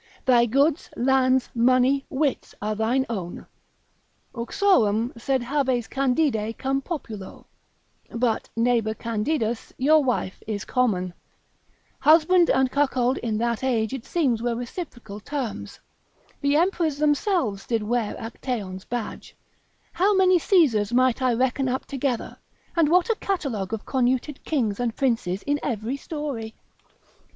thy goods, lands, money, wits are thine own, Uxorem sed habes Candide cum populo; but neighbour Candidus your wife is common: husband and cuckold in that age it seems were reciprocal terms; the emperors themselves did wear Actaeon's badge; how many Caesars might I reckon up together, and what a catalogue of cornuted kings and princes in every story?